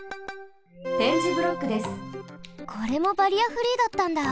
これもバリアフリーだったんだ。